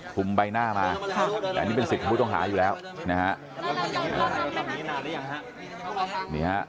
คลุมใบหน้ามาแต่อันนี้เป็นสิทธิ์ของผู้ต้องหาอยู่แล้วนะฮะ